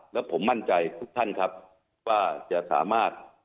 แล้วผมมั่นใจทุกท่านครับว่าจะสามารถ